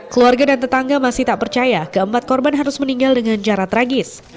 keluarga dan tetangga masih tak percaya keempat korban harus meninggal dengan cara tragis